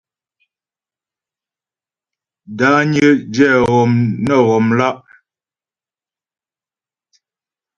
Dányə́ ghɛ́ghɔm nə ghɔmlá'.